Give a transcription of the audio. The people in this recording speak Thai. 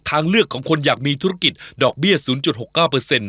ทางเลือกของคนอยากมีธุรกิจดอกเบี้ยศูนย์จุดหกเก้าเปอร์เซ็นต์